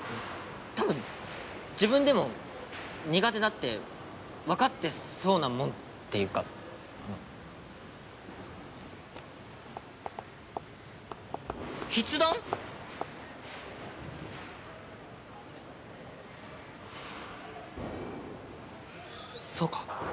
たぶん自分でも苦手だって分かってそうなもんっていうかあのそうか